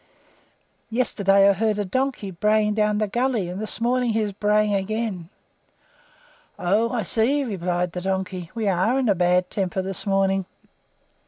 "Yesterday I heard a donkey braying down the gully, and this morning he is braying again." "Oh! I see," replied the Donkey. "We are in a bad temper this morning."